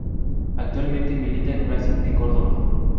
Actualmente milita en Racing de Córdoba.